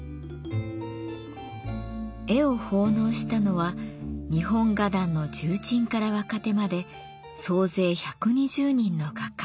絵を奉納したのは日本画壇の重鎮から若手まで総勢１２０人の画家。